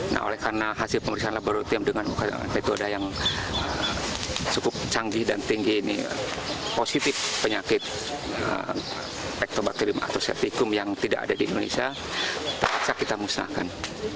nah oleh karena hasil pemeriksaan laboratorium dengan metoda yang cukup canggih dan tinggi ini positif penyakit pectobacterium astrosepticum yang tidak ada di indonesia tak usah kita musnahkan